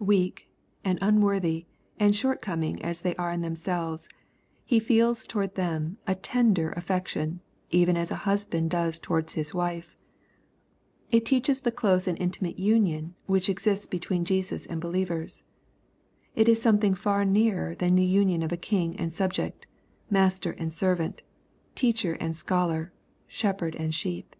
Weak, and unworthy, and short coming as they are in themselves, He feels towards them a tender affection, even as a husband does towards his wife. — ^It teaches the close andintimate unioriy which exists be tween Jesus and believers. It is something far nearer than the union of king and subject, master and servant, teacher and scholar, shepherd and sheep.